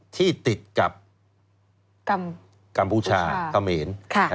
ที่ติดกับกาหมูชาเก้าเหมียน